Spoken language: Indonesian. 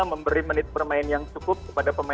memberi menit bermain yang cukup kepada